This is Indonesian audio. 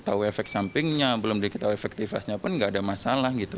tahu efek sampingnya belum diketahui efektifasnya pun nggak ada masalah gitu